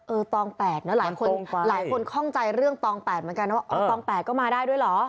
เออตองแปดนะหลายคนข้องใจเรื่องตองแปดเหมือนกันนะว่าตองแปดก็มาได้ด้วยหรอ